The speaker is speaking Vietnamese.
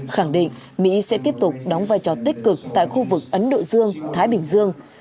khẳng định mỹ sẽ tiếp tục đóng vai trò tích cực tại khu vực ấn độ dương thái bình dương